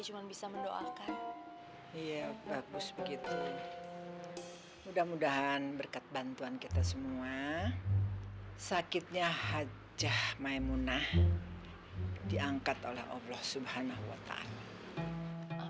curigahan berkat bantuan kita semua sakitnya hajjah maimunah nih diangkat oleh allah subhanahuwata'aluhu